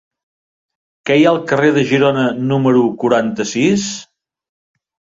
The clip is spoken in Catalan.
Què hi ha al carrer de Girona número quaranta-sis?